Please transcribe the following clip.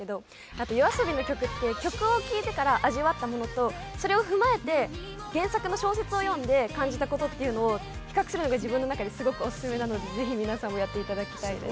あとＹＯＡＳＯＢＩの曲って曲を聴いてから味わったものとそれを踏まえて原作の小説を読んで感じたことっていうのを比較するのが自分の中ですごくオススメなのでぜひ皆さんもやっていただきたいです